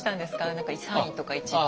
何か３位とか１位とか。